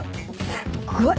すっごい！